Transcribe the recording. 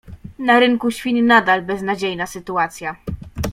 Na rynku świń nadal beznadziejna sytuacja.